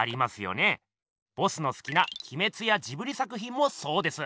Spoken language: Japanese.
ボスのすきな鬼滅やジブリ作ひんもそうです。